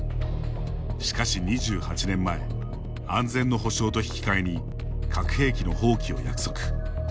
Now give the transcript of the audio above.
しかし、２８年前安全の保障と引き換えに核兵器の放棄を約束。